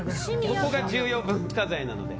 ここが重要文化財なので。